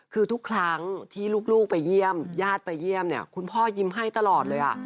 คือทุกครั้งที่ลูกไปเยี่ยมญาติไปเยี่ยมเนี่ยคุณพ่อยิ้มให้ตลอดเลย